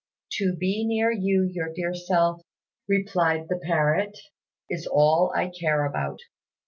"To be near your dear self," replied the parrot, "is all I care about."